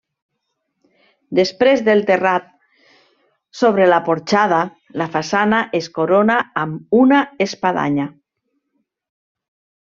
Després del terrat sobre la porxada, la façana es corona amb una espadanya.